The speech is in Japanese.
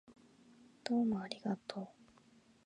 どうもありがとう